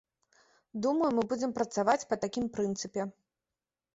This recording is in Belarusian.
Думаю, мы будзем працаваць па такім прынцыпе.